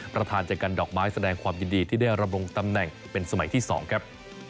ประธานใจกันดอกไม้แสดงความยินดีที่ได้รำรงตำแหน่งเป็นสมัยที่๒ครับ